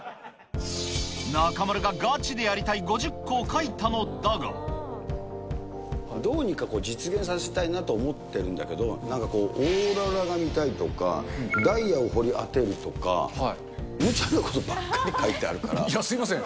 中丸ががちでやりたい５０個どうにか実現させてたいなと思ってるんだけど、なんかこう、オーロラが見たいとか、ダイヤを掘り当てるとか、むちゃなことばいや、すみません。